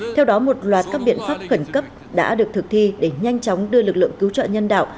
theo đó một loạt các biện pháp khẩn cấp đã được thực thi để nhanh chóng đưa lực lượng cứu trợ nhân đạo